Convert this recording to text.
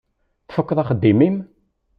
Tfukkeḍ axeddim-im?